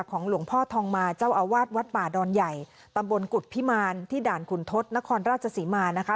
หลวงพ่อทองมาเจ้าอาวาสวัดป่าดอนใหญ่ตำบลกุฎพิมารที่ด่านขุนทศนครราชศรีมานะคะ